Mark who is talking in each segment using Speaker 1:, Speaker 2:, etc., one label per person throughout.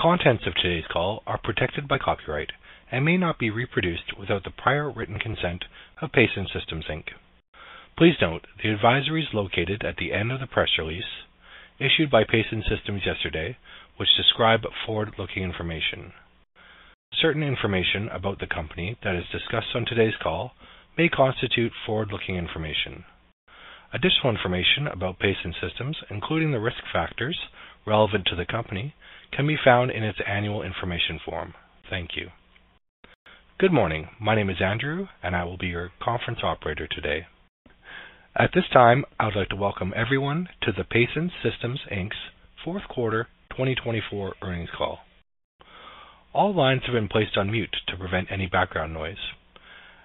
Speaker 1: The contents of today's call are protected by copyright and may not be reproduced without the prior written consent of Pason Systems. Please note the advisory is located at the end of the press release issued by Pason Systems yesterday, which describes forward-looking information. Certain information about the company that is discussed on today's call may constitute forward-looking information. Additional information about Pason Systems, including the risk factors relevant to the company, can be found in its annual information form. Thank you. Good morning. My name is Andrew, and I will be your conference operator today. At this time, I would like to welcome everyone to the Pason Systems Inc's Fourth Quarter 2024 Earnings Call. All lines have been placed on mute to prevent any background noise.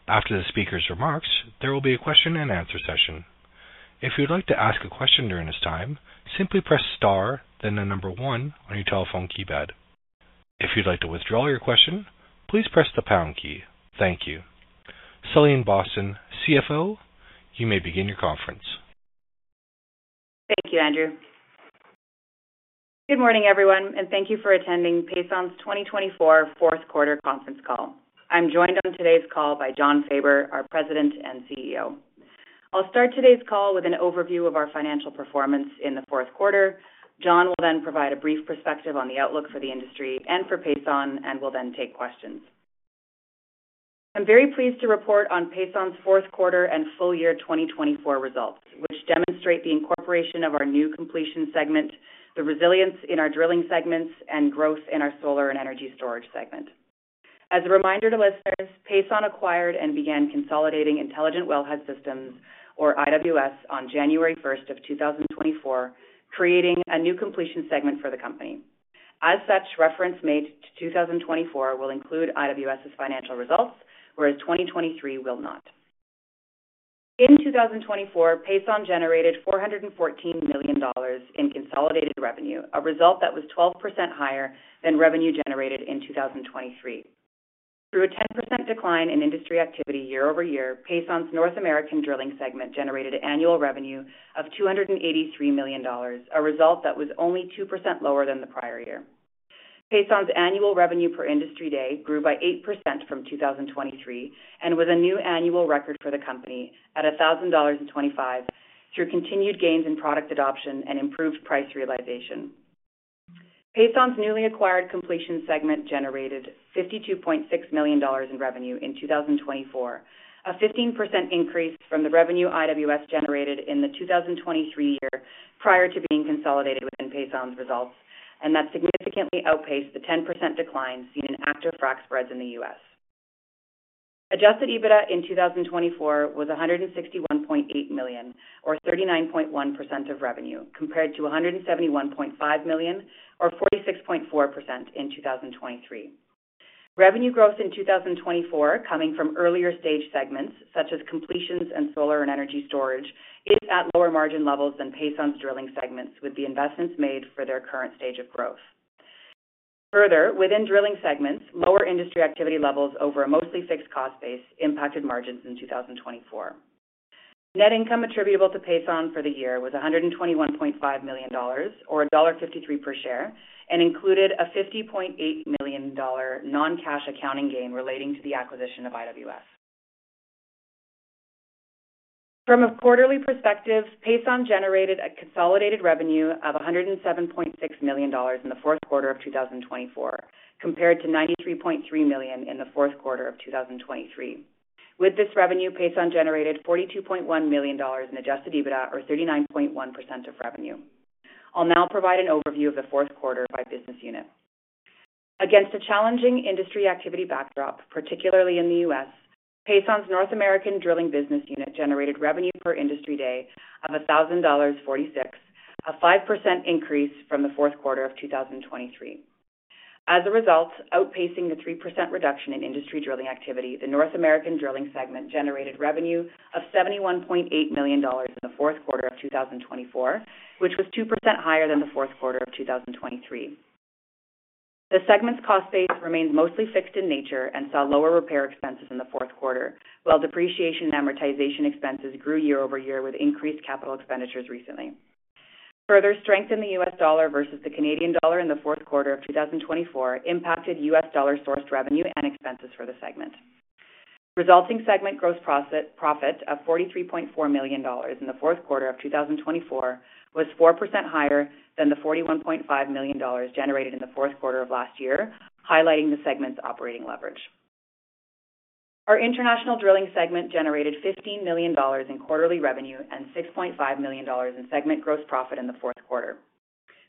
Speaker 1: After the speaker's remarks, there will be a question-and-answer session. If you'd like to ask a question during this time, simply press star, then the number one on your telephone keypad. If you'd like to withdraw your question, please press the pound key. Thank you. Celine Boston, CFO, you may begin your conference.
Speaker 2: Thank you, Andrew. Good morning, everyone, and thank you for attending Pason's 2024 Fourth Quarter Conference Call. I'm joined on today's call by Jon Faber, our President and CEO. I'll start today's call with an overview of our financial performance in the fourth quarter. John will then provide a brief perspective on the outlook for the industry and for Pason, and will then take questions. I'm very pleased to report on Pason's fourth quarter and full year 2024 results, which demonstrate the incorporation of our new completions segment, the resilience in our drilling segments, and growth in our solar and energy storage segment. As a reminder to listeners, Pason acquired and began consolidating Intelligent Wellhead Systems, or IWS, on January 1 of 2024, creating a new completions segment for the company. As such, reference made to 2024 will include IWS's financial results, whereas 2023 will not. In 2024, Pason generated $414 million in consolidated revenue, a result that was 12% higher than revenue generated in 2023. Through a 10% decline in industry activity year over year, Pason's North American drilling segment generated annual revenue of $283 million, a result that was only 2% lower than the prior year. Pason's annual revenue per industry day grew by 8% from 2023 and was a new annual record for the company at $1,025 through continued gains in product adoption and improved price realization. Pason's newly acquired completions segment generated $52.6 million in revenue in 2024, a 15% increase from the revenue IWS generated in the 2023 year prior to being consolidated within Pason's results, and that significantly outpaced the 10% decline seen in active frac spreads in the US. Adjusted EBITDA in 2024 was $161.8 million, or 39.1% of revenue, compared to $171.5 million, or 46.4% in 2023. Revenue growth in 2024, coming from earlier stage segments such as completions and solar and energy storage, is at lower margin levels than Pason's drilling segments with the investments made for their current stage of growth. Further, within drilling segments, lower industry activity levels over a mostly fixed cost base impacted margins in 2024. Net income attributable to Pason for the year was $121.5 million, or $1.53 per share, and included a $50.8 million non-cash accounting gain relating to the acquisition of IWS. From a quarterly perspective, Pason generated a consolidated revenue of $107.6 million in the fourth quarter of 2024, compared to $93.3 million in the fourth quarter of 2023. With this revenue, Pason generated $42.1 million in adjusted EBITDA, or 39.1% of revenue. I'll now provide an overview of the fourth quarter by business unit. Against a challenging industry activity backdrop, particularly in the U.S., Pason's North American drilling business unit generated revenue per industry day of $1,046, a 5% increase from the fourth quarter of 2023. As a result, outpacing the 3% reduction in industry drilling activity, the North American drilling segment generated revenue of $71.8 million in the fourth quarter of 2024, which was 2% higher than the fourth quarter of 2023. The segment's cost base remained mostly fixed in nature and saw lower repair expenses in the fourth quarter, while depreciation and amortization expenses grew year over year with increased capital expenditures recently. Further strength in the U.S. dollar versus the Canadian dollar in the fourth quarter of 2024 impacted U.S. dollar-sourced revenue and expenses for the segment. Resulting segment gross profit of $43.4 million in the fourth quarter of 2024 was 4% higher than the $41.5 million generated in the fourth quarter of last year, highlighting the segment's operating leverage. Our international drilling segment generated $15 million in quarterly revenue and $6.5 million in segment gross profit in the fourth quarter.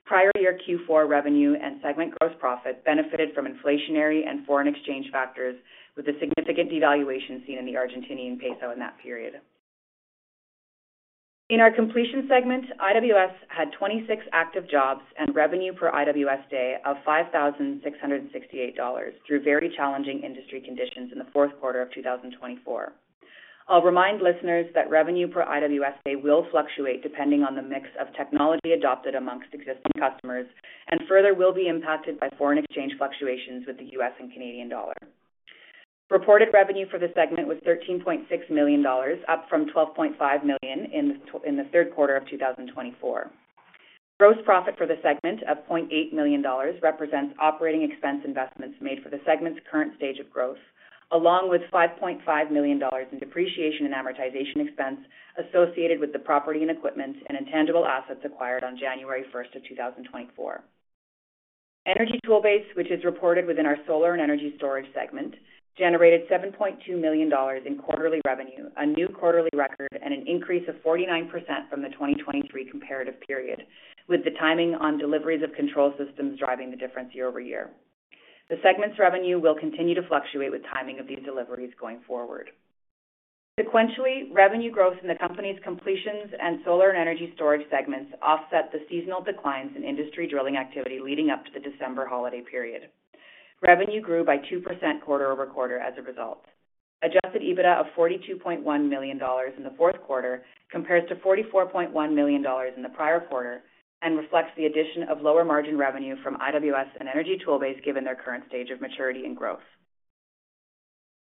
Speaker 2: Prior year Q4 revenue and segment gross profit benefited from inflationary and foreign exchange factors, with a significant devaluation seen in the Argentinian peso in that period. In our completion segment, IWS had 26 active jobs and revenue per IWS day of $5,668 through very challenging industry conditions in the fourth quarter of 2024. I'll remind listeners that revenue per IWS day will fluctuate depending on the mix of technology adopted amongst existing customers and further will be impacted by foreign exchange fluctuations with the US and Canadian dollar. Reported revenue for the segment was $13.6 million, up from $12.5 million in the third quarter of 2024. Gross profit for the segment of $0.8 million represents operating expense investments made for the segment's current stage of growth, along with $5.5 million in depreciation and amortization expense associated with the property and equipment and intangible assets acquired on January 1 of 2024. Energy ToolBase, which is reported within our solar and energy storage segment, generated $7.2 million in quarterly revenue, a new quarterly record, and an increase of 49% from the 2023 comparative period, with the timing on deliveries of control systems driving the difference year over year. The segment's revenue will continue to fluctuate with timing of these deliveries going forward. Sequentially, revenue growth in the company's completions and solar and energy storage segments offset the seasonal declines in industry drilling activity leading up to the December holiday period. Revenue grew by 2% quarter over quarter as a result. Adjusted EBITDA of $42.1 million in the fourth quarter compares to $44.1 million in the prior quarter and reflects the addition of lower margin revenue from IWS and Energy ToolBase given their current stage of maturity and growth.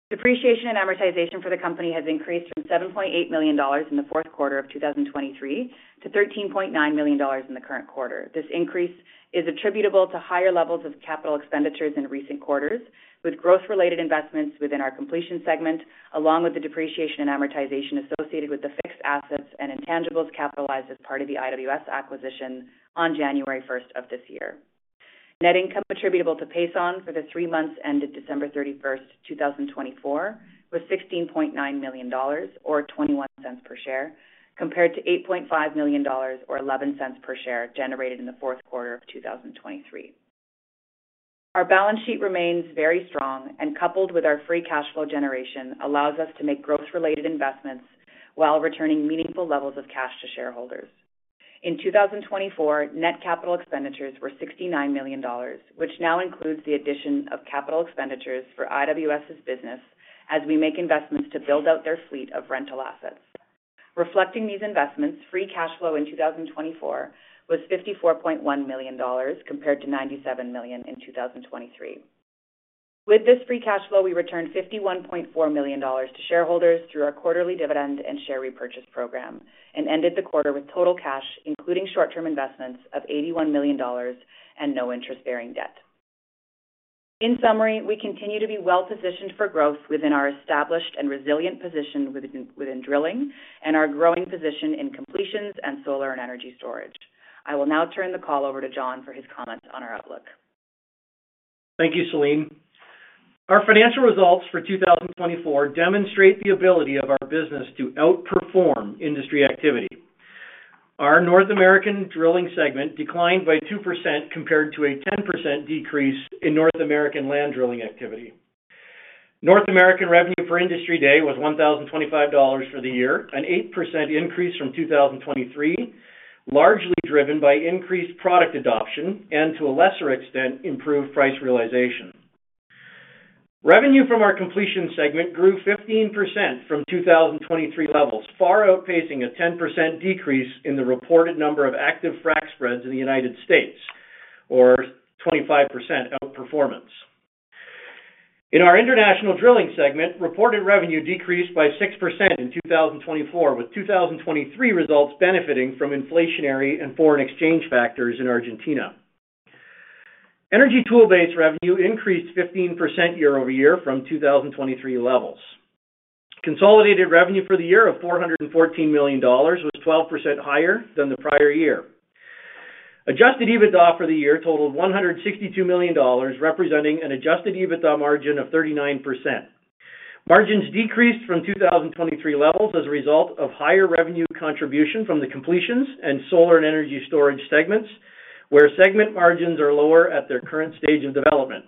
Speaker 2: Depreciation and amortization for the company has increased from $7.8 million in the fourth quarter of 2023 to $13.9 million in the current quarter. This increase is attributable to higher levels of capital expenditures in recent quarters, with growth-related investments within our completions segment, along with the depreciation and amortization associated with the fixed assets and intangibles capitalized as part of the IWS acquisition on January 1 of this year. Net income attributable to Pason for the three months ended December 31, 2024, was $16.9 million, or $0.21 per share, compared to $8.5 million, or $0.11 per share, generated in the fourth quarter of 2023. Our balance sheet remains very strong, and coupled with our free cash flow generation allows us to make growth-related investments while returning meaningful levels of cash to shareholders. In 2024, net capital expenditures were $69 million, which now includes the addition of capital expenditures for IWS's business as we make investments to build out their fleet of rental assets. Reflecting these investments, free cash flow in 2024 was $54.1 million, compared to $97 million in 2023. With this free cash flow, we returned $51.4 million to shareholders through our quarterly dividend and share repurchase program and ended the quarter with total cash, including short-term investments of $81 million and no interest-bearing debt. In summary, we continue to be well-positioned for growth within our established and resilient position within drilling and our growing position in completions and solar and energy storage. I will now turn the call over to Jon for his comments on our outlook.
Speaker 3: Thank you, Celine. Our financial results for 2024 demonstrate the ability of our business to outperform industry activity. Our North American drilling segment declined by 2% compared to a 10% decrease in North American land drilling activity. North American revenue per industry day was $1,025 for the year, an 8% increase from 2023, largely driven by increased product adoption and, to a lesser extent, improved price realization. Revenue from our completions segment grew 15% from 2023 levels, far outpacing a 10% decrease in the reported number of active frac spreads in the United States, or 25% outperformance. In our international drilling segment, reported revenue decreased by 6% in 2024, with 2023 results benefiting from inflationary and foreign exchange factors in Argentina. Energy ToolBase revenue increased 15% year over year from 2023 levels. Consolidated revenue for the year of $414 million was 12% higher than the prior year. Adjusted EBITDA for the year totaled $162 million, representing an adjusted EBITDA margin of 39%. Margins decreased from 2023 levels as a result of higher revenue contribution from the completions and solar and energy storage segments, where segment margins are lower at their current stage of development.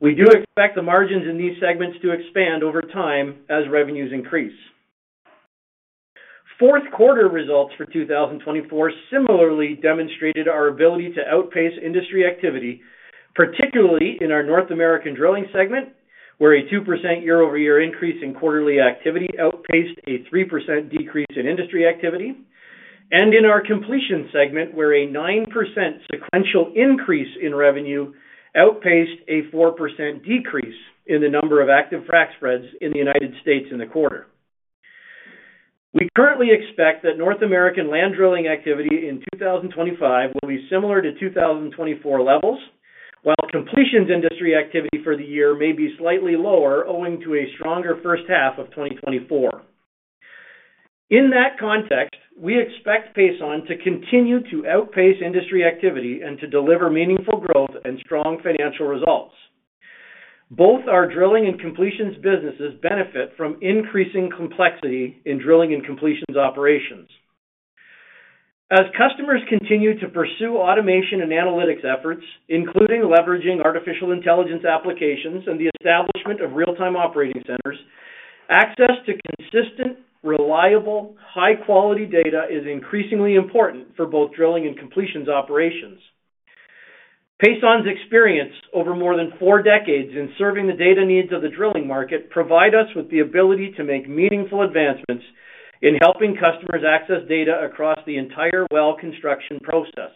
Speaker 3: We do expect the margins in these segments to expand over time as revenues increase. Fourth quarter results for 2024 similarly demonstrated our ability to outpace industry activity, particularly in our North American drilling segment, where a 2% year-over-year increase in quarterly activity outpaced a 3% decrease in industry activity, and in our completion segment, where a 9% sequential increase in revenue outpaced a 4% decrease in the number of active frac spreads in the United States in the quarter. We currently expect that North American land drilling activity in 2025 will be similar to 2024 levels, while completions industry activity for the year may be slightly lower, owing to a stronger first half of 2024. In that context, we expect Pason to continue to outpace industry activity and to deliver meaningful growth and strong financial results. Both our drilling and completions businesses benefit from increasing complexity in drilling and completions operations. As customers continue to pursue automation and analytics efforts, including leveraging artificial intelligence applications and the establishment of real-time operating centers, access to consistent, reliable, high-quality data is increasingly important for both drilling and completions operations. Pason's experience over more than four decades in serving the data needs of the drilling market provides us with the ability to make meaningful advancements in helping customers access data across the entire well construction process.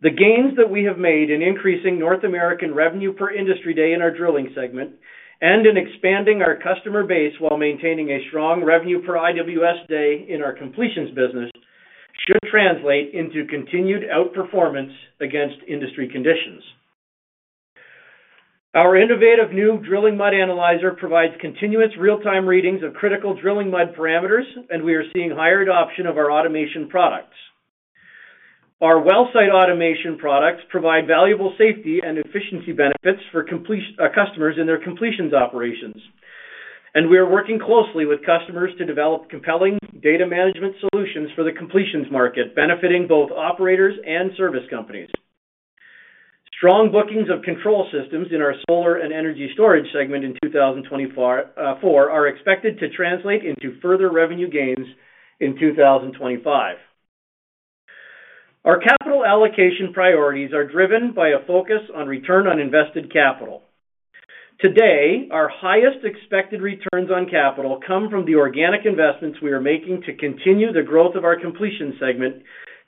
Speaker 3: The gains that we have made in increasing North American revenue per industry day in our drilling segment and in expanding our customer base while maintaining a strong revenue per IWS day in our completions business should translate into continued outperformance against industry conditions. Our innovative new drilling mud analyzer provides continuous real-time readings of critical drilling mud parameters, and we are seeing higher adoption of our automation products. Our well site automation products provide valuable safety and efficiency benefits for customers in their completions operations, and we are working closely with customers to develop compelling data management solutions for the completions market, benefiting both operators and service companies. Strong bookings of control systems in our solar and energy storage segment in 2024 are expected to translate into further revenue gains in 2025. Our capital allocation priorities are driven by a focus on return on invested capital. Today, our highest expected returns on capital come from the organic investments we are making to continue the growth of our completions segment,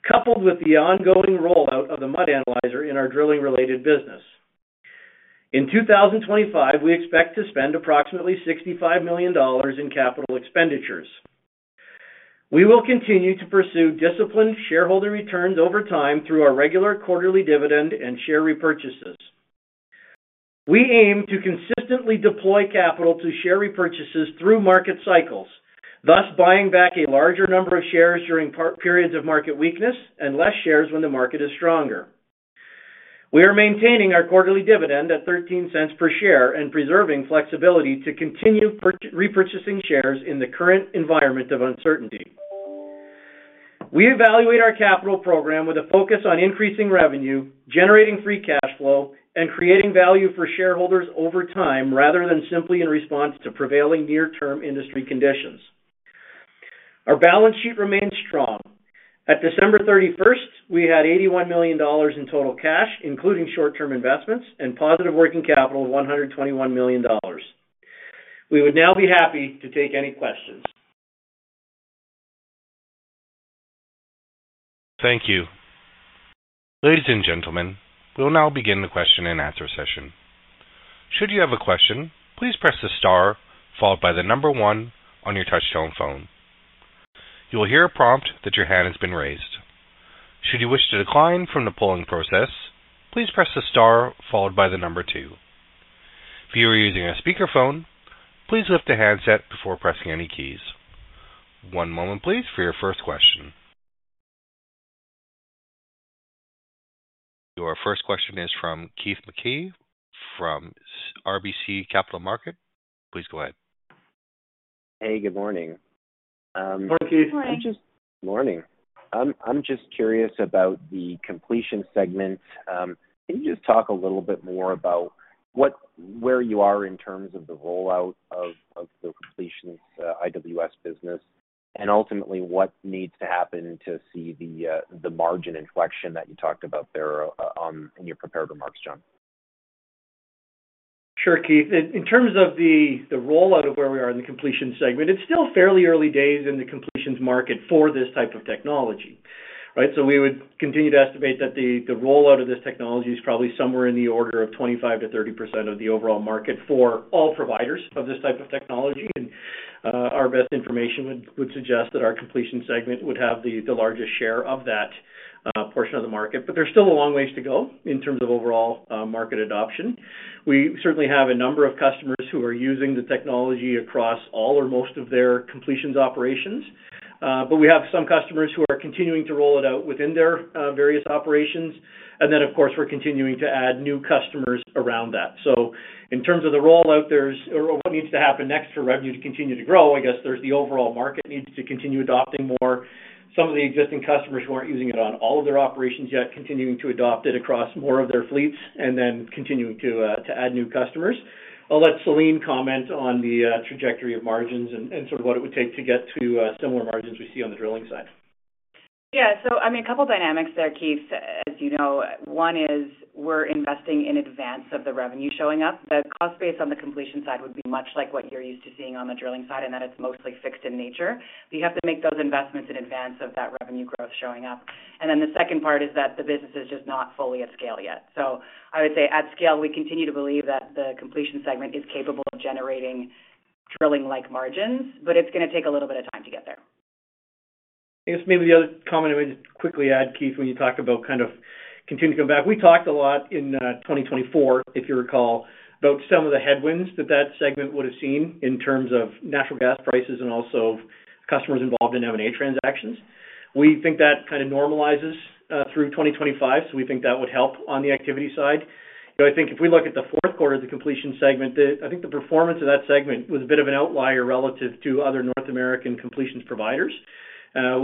Speaker 3: coupled with the ongoing rollout of the mud analyzer in our drilling-related business. In 2025, we expect to spend approximately $65 million in capital expenditures. We will continue to pursue disciplined shareholder returns over time through our regular quarterly dividend and share repurchases. We aim to consistently deploy capital to share repurchases through market cycles, thus buying back a larger number of shares during periods of market weakness and fewer shares when the market is stronger. We are maintaining our quarterly dividend at $0.13 per share and preserving flexibility to continue repurchasing shares in the current environment of uncertainty. We evaluate our capital program with a focus on increasing revenue, generating free cash flow, and creating value for shareholders over time rather than simply in response to prevailing near-term industry conditions. Our balance sheet remains strong. At December 31, we had $81 million in total cash, including short-term investments, and positive working capital of $121 million. We would now be happy to take any questions.
Speaker 1: Thank you. Ladies and gentlemen, we'll now begin the question and answer session. Should you have a question, please press the star followed by the number one on your touch-tone phone. You will hear a prompt that your hand has been raised. Should you wish to decline from the polling process, please press the star followed by the number two. If you are using a speakerphone, please lift the handset before pressing any keys. One moment, please, for your first question. Your first question is from Keith MacKey from RBC Capital Markets. Please go ahead.
Speaker 4: Hey, good morning.
Speaker 3: Good morning, Keith.
Speaker 4: Good morning. I'm just curious about the completions segment. Can you just talk a little bit more about where you are in terms of the rollout of the completions IWS business and ultimately what needs to happen to see the margin inflection that you talked about there in your prepared remarks, Jon?
Speaker 3: Sure, Keith. In terms of the rollout of where we are in the completion segment, it's still fairly early days in the completions market for this type of technology. We would continue to estimate that the rollout of this technology is probably somewhere in the order of 25-30% of the overall market for all providers of this type of technology. Our best information would suggest that our completion segment would have the largest share of that portion of the market. There is still a long ways to go in terms of overall market adoption. We certainly have a number of customers who are using the technology across all or most of their completions operations, but we have some customers who are continuing to roll it out within their various operations. Of course, we are continuing to add new customers around that. In terms of the rollout, what needs to happen next for revenue to continue to grow, I guess there's the overall market needs to continue adopting more. Some of the existing customers who aren't using it on all of their operations yet, continuing to adopt it across more of their fleets and then continuing to add new customers. I'll let Celine comment on the trajectory of margins and sort of what it would take to get to similar margins we see on the drilling side.
Speaker 2: Yeah. I mean, a couple of dynamics there, Keith. As you know, one is we're investing in advance of the revenue showing up. The cost base on the completion side would be much like what you're used to seeing on the drilling side, in that it's mostly fixed in nature. We have to make those investments in advance of that revenue growth showing up. The second part is that the business is just not fully at scale yet. I would say at scale, we continue to believe that the completion segment is capable of generating drilling-like margins, but it's going to take a little bit of time to get there.
Speaker 3: I guess maybe the other comment I would quickly add, Keith, when you talk about kind of continuing to come back. We talked a lot in 2024, if you recall, about some of the headwinds that that segment would have seen in terms of natural gas prices and also customers involved in M&A transactions. We think that kind of normalizes through 2025, so we think that would help on the activity side. I think if we look at the fourth quarter of the completion segment, I think the performance of that segment was a bit of an outlier relative to other North American completions providers,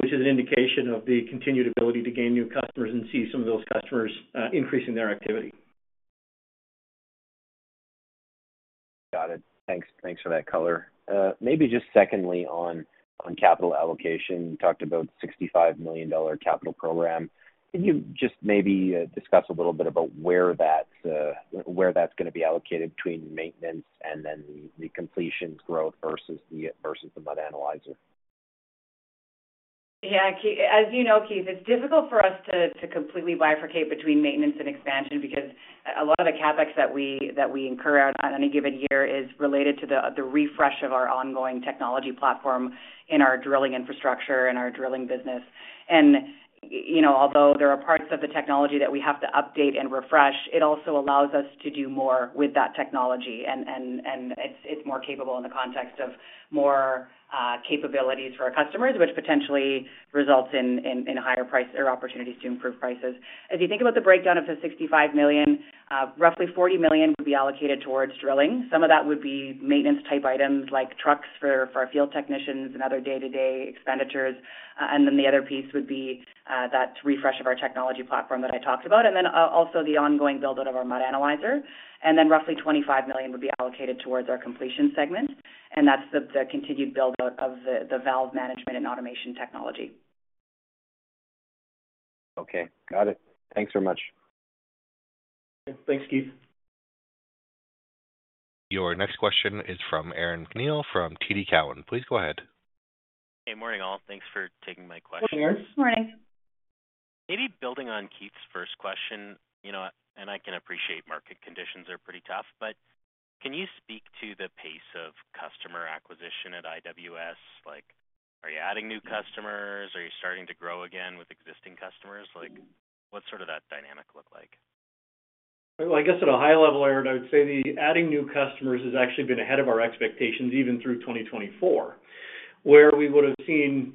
Speaker 3: which is an indication of the continued ability to gain new customers and see some of those customers increasing their activity.
Speaker 4: Got it. Thanks for that color. Maybe just secondly on capital allocation, you talked about a $65 million capital program. Can you just maybe discuss a little bit about where that's going to be allocated between maintenance and then the completions growth versus the mud analyzer?
Speaker 2: Yeah. As you know, Keith, it's difficult for us to completely bifurcate between maintenance and expansion because a lot of the CapEx that we incur on any given year is related to the refresh of our ongoing technology platform in our drilling infrastructure and our drilling business. Although there are parts of the technology that we have to update and refresh, it also allows us to do more with that technology. It's more capable in the context of more capabilities for our customers, which potentially results in higher price or opportunities to improve prices. As you think about the breakdown of the $65 million, roughly $40 million would be allocated towards drilling. Some of that would be maintenance-type items like trucks for our field technicians and other day-to-day expenditures. The other piece would be that refresh of our technology platform that I talked about, and then also the ongoing build-out of our mud analyzer. Roughly $25 million would be allocated towards our completion segment. That is the continued build-out of the valve management and automation technology.
Speaker 4: Okay. Got it. Thanks very much.
Speaker 3: Thanks, Keith.
Speaker 1: Your next question is from Aaron MacNeil from TD Cowen. Please go ahead.
Speaker 5: Hey, morning, all. Thanks for taking my question.
Speaker 3: Good morning.
Speaker 5: TD, building on Keith's first question, and I can appreciate market conditions are pretty tough, but can you speak to the pace of customer acquisition at IWS? Are you adding new customers? Are you starting to grow again with existing customers? What's sort of that dynamic look like?
Speaker 3: At a high level, Aaron, I would say the adding new customers has actually been ahead of our expectations even through 2024, where we would have seen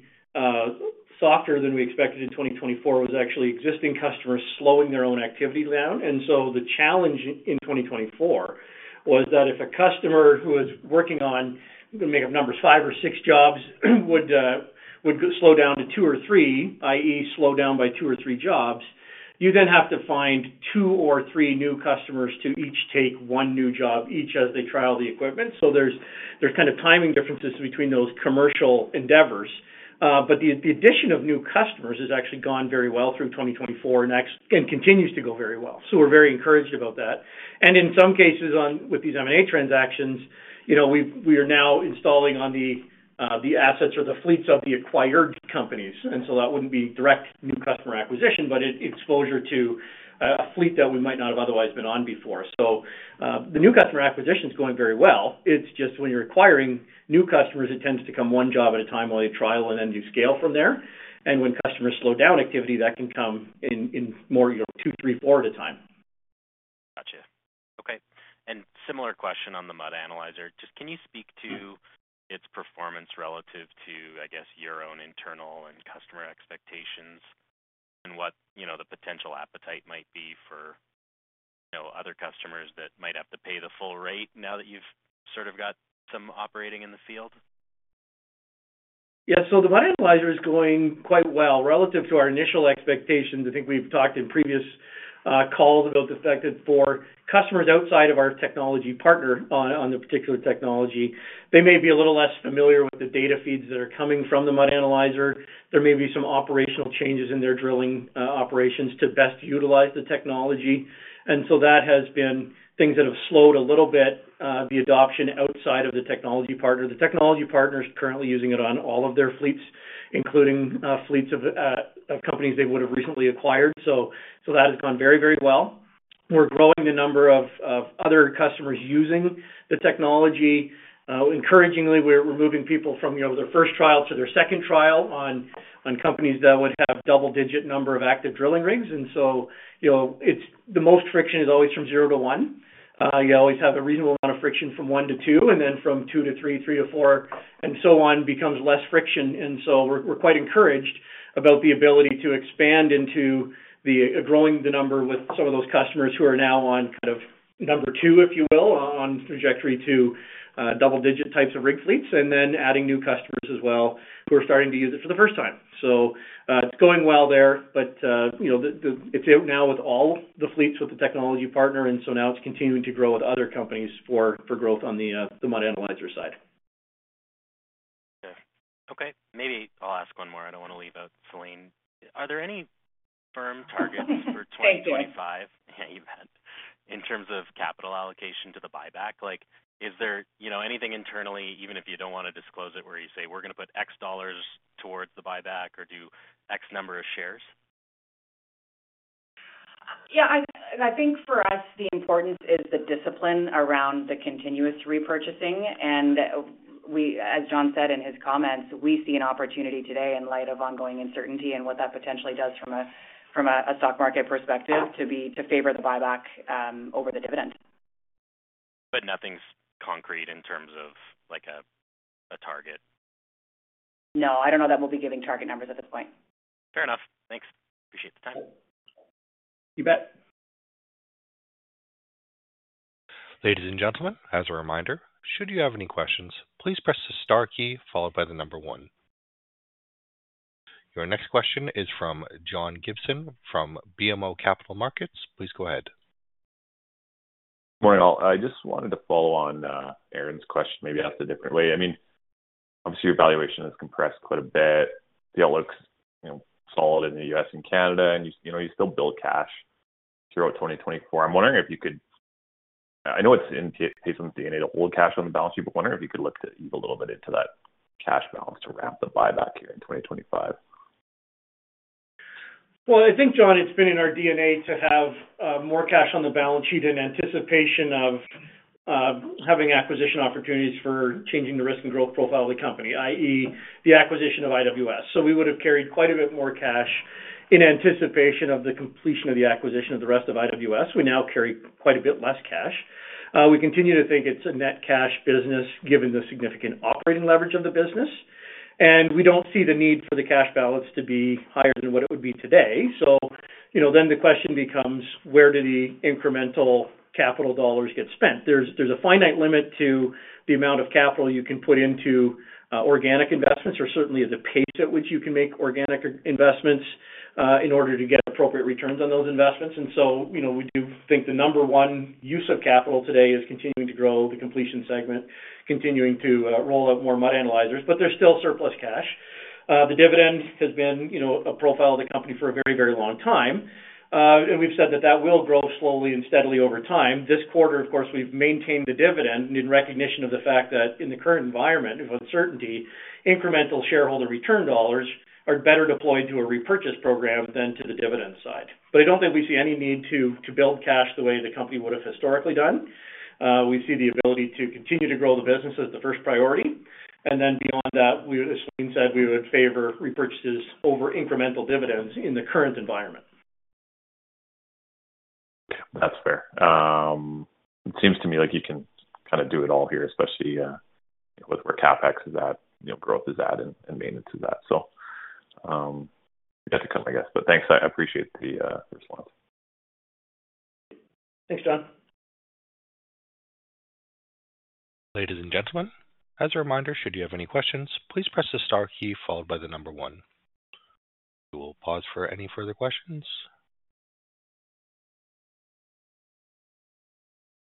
Speaker 3: softer than we expected in 2024 was actually existing customers slowing their own activity down. The challenge in 2024 was that if a customer who is working on, I'm going to make up numbers, five or six jobs would slow down to two or three, i.e., slow down by two or three jobs, you then have to find two or three new customers to each take one new job each as they trial the equipment. There are kind of timing differences between those commercial endeavors. The addition of new customers has actually gone very well through 2024 and continues to go very well. We are very encouraged about that. In some cases with these M&A transactions, we are now installing on the assets or the fleets of the acquired companies. That would not be direct new customer acquisition, but exposure to a fleet that we might not have otherwise been on before. The new customer acquisition is going very well. When you are acquiring new customers, it tends to come one job at a time while you trial and then you scale from there. When customers slow down activity, that can come in more two, three, four at a time.
Speaker 5: Gotcha. Okay. Similar question on the mud analyzer. Just can you speak to its performance relative to, I guess, your own internal and customer expectations and what the potential appetite might be for other customers that might have to pay the full rate now that you've sort of got some operating in the field?
Speaker 3: Yeah. The mud analyzer is going quite well relative to our initial expectations. I think we've talked in previous calls about the fact that for customers outside of our technology partner on the particular technology, they may be a little less familiar with the data feeds that are coming from the mud analyzer. There may be some operational changes in their drilling operations to best utilize the technology. That has been things that have slowed a little bit the adoption outside of the technology partner. The technology partner is currently using it on all of their fleets, including fleets of companies they would have recently acquired. That has gone very, very well. We're growing the number of other customers using the technology. Encouragingly, we're moving people from their first trial to their second trial on companies that would have double-digit number of active drilling rigs. The most friction is always from zero to one. You always have a reasonable amount of friction from one to two, and then from two to three, three to four, and so on becomes less friction. We are quite encouraged about the ability to expand into growing the number with some of those customers who are now on kind of number two, if you will, on trajectory to double-digit types of rig fleets, and then adding new customers as well who are starting to use it for the first time. It is going well there, but it is out now with all the fleets with the technology partner. Now it is continuing to grow with other companies for growth on the mud analyzer side.
Speaker 5: Okay. Okay. Maybe I'll ask one more. I don't want to leave out Celine. Are there any firm targets for 2025?
Speaker 3: Thank you.
Speaker 5: Yeah, you bet. In terms of capital allocation to the buyback, is there anything internally, even if you do not want to disclose it, where you say, "We are going to put X dollars towards the buyback," or, "Do X number of shares"?
Speaker 2: Yeah. I think for us, the importance is the discipline around the continuous repurchasing. As Jon said in his comments, we see an opportunity today in light of ongoing uncertainty and what that potentially does from a stock market perspective to favor the buyback over the dividend.
Speaker 5: Nothing's concrete in terms of a target?
Speaker 2: No. I don't know that we'll be giving target numbers at this point.
Speaker 5: Fair enough. Thanks. Appreciate the time.
Speaker 3: You bet.
Speaker 1: Ladies and gentlemen, as a reminder, should you have any questions, please press the star key followed by the number one. Your next question is from John Gibson from BMO Capital Markets. Please go ahead.
Speaker 6: Good morning, all. I just wanted to follow on Aaron's question, maybe ask it a different way. I mean, obviously, your valuation has compressed quite a bit. The outlook's solid in the US and Canada, and you still build cash throughout 2024. I'm wondering if you could—I know it's in TD's DNA to hold cash on the balance sheet, but I'm wondering if you could look to even a little bit into that cash balance to wrap the buyback here in 2025.
Speaker 3: I think, John, it's been in our DNA to have more cash on the balance sheet in anticipation of having acquisition opportunities for changing the risk and growth profile of the company, i.e., the acquisition of IWS. We would have carried quite a bit more cash in anticipation of the completion of the acquisition of the rest of IWS. We now carry quite a bit less cash. We continue to think it's a net cash business given the significant operating leverage of the business. We don't see the need for the cash balance to be higher than what it would be today. The question becomes, where do the incremental capital dollars get spent? There's a finite limit to the amount of capital you can put into organic investments or certainly at the pace at which you can make organic investments in order to get appropriate returns on those investments. We do think the number one use of capital today is continuing to grow the completion segment, continuing to roll out more mud analyzers, but there's still surplus cash. The dividend has been a profile of the company for a very, very long time. We've said that that will grow slowly and steadily over time. This quarter, of course, we've maintained the dividend in recognition of the fact that in the current environment of uncertainty, incremental shareholder return dollars are better deployed to a repurchase program than to the dividend side. I don't think we see any need to build cash the way the company would have historically done. We see the ability to continue to grow the business as the first priority. Beyond that, as Celine said, we would favor repurchases over incremental dividends in the current environment.
Speaker 6: That's fair. It seems to me like you can kind of do it all here, especially with where CapEx is at, growth is at, and maintenance is at. We have to come, I guess. Thanks. I appreciate the response.
Speaker 3: Thanks, John.
Speaker 1: Ladies and gentlemen, as a reminder, should you have any questions, please press the star key followed by the number one. We will pause for any further questions.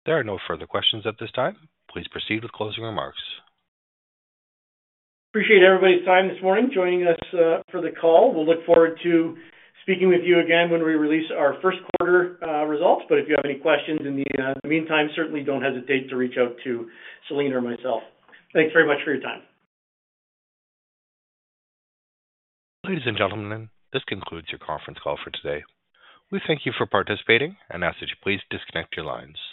Speaker 1: There are no further questions at this time. Please proceed with closing remarks.
Speaker 3: Appreciate everybody's time this morning joining us for the call. We'll look forward to speaking with you again when we release our first quarter results. If you have any questions in the meantime, certainly don't hesitate to reach out to Celine or myself. Thanks very much for your time.
Speaker 1: Ladies and gentlemen, this concludes your conference call for today. We thank you for participating and ask that you please disconnect your lines.